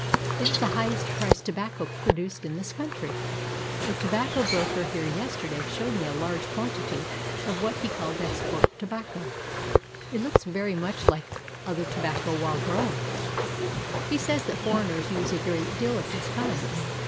It is the highest price tobacco produced in this country. A tobacco broker here yesterday showed me a large quantity of what he called export tobacco. It looks very much like other tobacco while growing. He says that foreigners use a great deal of this kind.